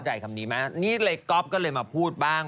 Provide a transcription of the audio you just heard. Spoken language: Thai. เข้าใจคำนี้ไหมนี่ก๊อฟก็เลยมาพูดบ้าง